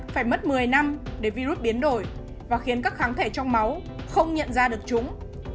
phải mất một mươi năm để virus biến đổi và khiến các kháng thể trong máu không nhận ra được chúng